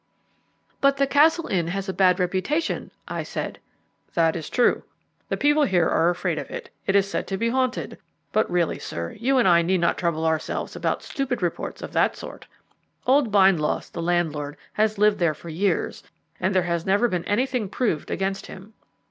"But the Castle Inn has a bad reputation," I said. "That is true; the people here are afraid of it. It is said to be haunted. But really, sir, you and I need not trouble ourselves about stupid reports of that sort. Old Bindloss, the landlord, has lived there for years, and there has never been anything proved against him."